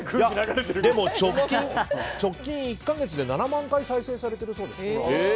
直近１か月で７万回再生されているそうです。